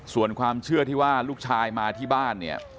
ส่วนความเชื่อที่ว่าลูกชายมาที่บ้านเนี่ย